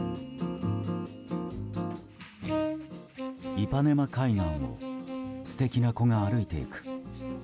イパネマ海岸を素敵な子が歩いていく。